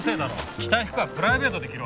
着たい服はプライベートで着ろ。